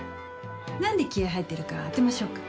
何で気合入ってるか当てましょうか。